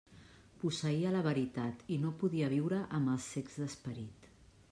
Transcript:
Posseïa la veritat i no podia viure amb els cecs d'esperit.